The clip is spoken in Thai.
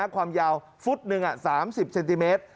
ความยาวฟุตหนึ่ง๓๐เซนติเมตร